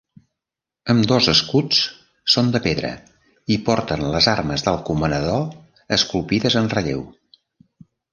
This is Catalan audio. Ambdós escuts són de pedra i porten les armes del comanador esculpides en relleu.